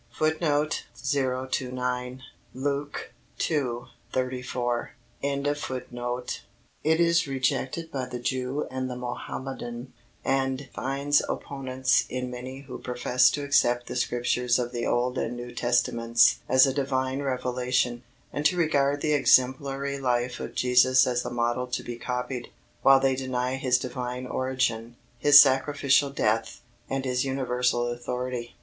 " It is rejected by the Jew and the Mohammedan, and finds opponents in many who profess to accept the Scriptures of the Old and New Testaments as a Divine revelation, and to regard the exemplary life of Jesus as a model to be copied, while they deny His Divine origin, His sacrificial death, and His universal authority.